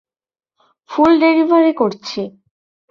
ফুল delivery করছি।